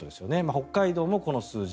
北海道もこの数字。